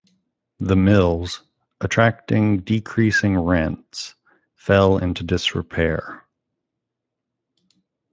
The mills, attracting decreasing rents, fell into disrepair.